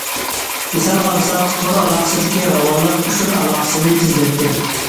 مىسالغا ئالساق، تور ئالاقىسىدىكى راۋانلىق ئۇچۇر ئالاقىسىنى تېزلەتتى.